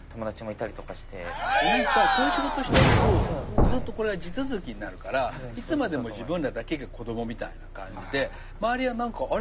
こういう仕事してるとずっとこれは地続きになるからいつまでも自分らだけが子供みたいな感じで周りは何かあれ？